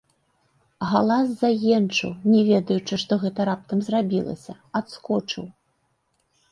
Галас заенчыў, не ведаючы, што гэта раптам зрабілася, адскочыў.